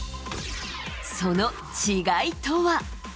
その違いとは。